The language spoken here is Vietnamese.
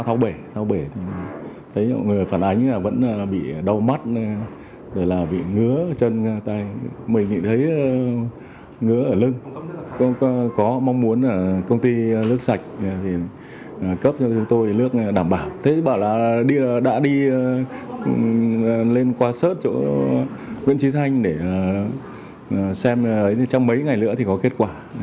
thế bảo là đã đi lên qua sớt chỗ nguyễn trí thanh để xem trong mấy ngày nữa thì có kết quả